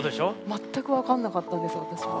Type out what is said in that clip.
全く分かんなかったんです私。